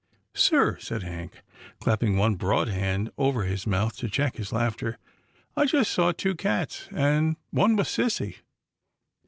" Sir," said Hank, clapping one broad hand over his mouth to check his laughter. " I just saw two cats, and one was sissy."